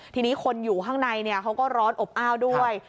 ทีนี้คนอยู่ข้างในเขาก็ร้อนอบอ้าวด้วย